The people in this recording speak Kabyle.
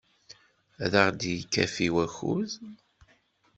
Ad aɣ-d-ikafi wakud.